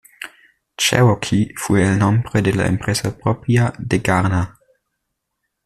Cherokee fue el nombre de la empresa propia de Garner.